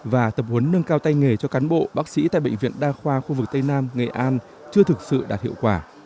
và tập huấn nâng cao tay nghề cho cán bộ bác sĩ tại bệnh viện đa khoa khu vực tây nam nghệ an chưa thực sự đạt hiệu quả